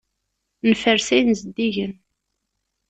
Nferres ayen zeddigen.